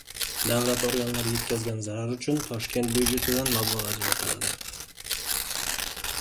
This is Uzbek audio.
Davlat organlari yetkazgan zarar uchun Toshkent byudjetidan mablag‘ ajratiladi